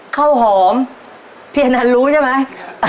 ข้าวหอมพี่อนันต์รู้ใช่ไหม